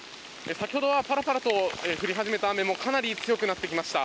先ほどはぱらぱらと降り始めた雨はかなり強くなってきました。